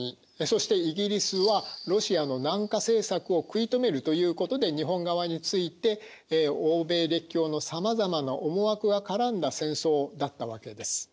そしてイギリスはロシアの南下政策を食い止めるということで日本側について欧米列強のさまざまな思惑がからんだ戦争だったわけです。